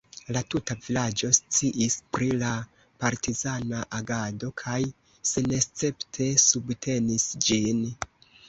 La tuta vilaĝo sciis pri la partizana agado kaj senescepte subtenis ĝin.